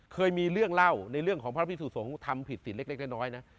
เคยมีเรื่องเล่าในเรื่องของพระพิสุสงฆ์ทำผิดติดเล็กน้อยนะ